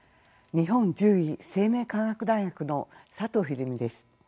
日本獣医生命科学大学の佐藤秀美です。